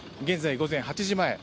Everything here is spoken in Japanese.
現在、午前８時前。